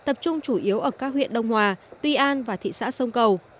tập trung chủ yếu ở các huyện đông hòa tuy an và thị xã sông cầu